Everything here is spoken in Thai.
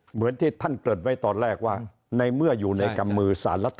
เหมือนที่ท่านเกิดไว้ตอนแรกว่าในเมื่ออยู่ในกำมือ